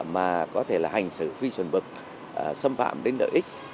mà có thể là hành xử phi chuẩn bực xâm phạm đến đợi ích